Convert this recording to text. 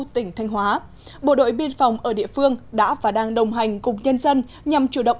tỉnh thanh hóa bộ đội biên phòng ở địa phương đã và đang đồng hành cùng nhân dân nhằm chủ động